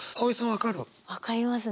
分かりますね。